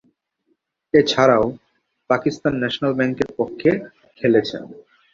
এছাড়াও, পাকিস্তান ন্যাশনাল ব্যাংকের পক্ষে খেলেছেন।